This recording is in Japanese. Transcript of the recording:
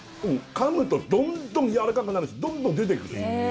噛むとどんどんやわらかくなるしどんどん出てくるへえ